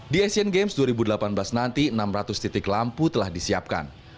di asian games dua ribu delapan belas nanti enam ratus titik lampu telah disiapkan